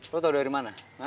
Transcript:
lo tau dari mana